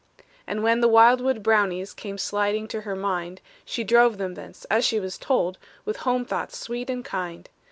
And when the wildwood brownies Came sliding to her mind, She drove them thence, as she was told, With home thoughts sweet and kind.